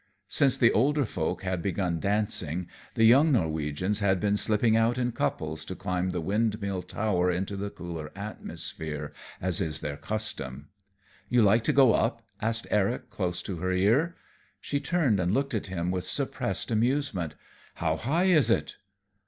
Since the older folk had begun dancing, the young Norwegians had been slipping out in couples to climb the windmill tower into the cooler atmosphere, as is their custom. "You like to go up?" asked Eric, close to her ear. She turned and looked at him with suppressed amusement. "How high is it?"